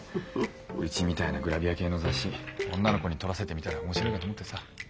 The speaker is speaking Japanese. うちみたいなグラビア系の雑誌女の子に撮らせてみたら面白いかと思ってさ。